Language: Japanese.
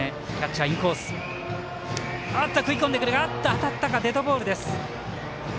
当たったか、デッドボールです。